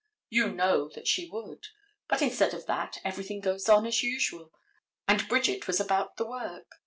You know that she would. But instead of that, everything goes on as usual, and Bridget was about the work.